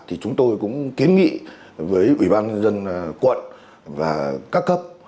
thì chúng tôi cũng kiến nghị với ủy ban nhân dân quận và các cấp